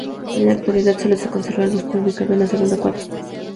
En la actualidad solo se conserva el busto ubicado en la segunda cuadra.